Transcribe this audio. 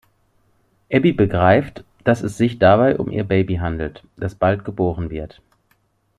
Abby begreift, dass es sich dabei um ihr Baby handelt, das bald geboren wird.